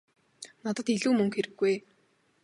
Надад илүү мөнгө хэрэггүй ээ.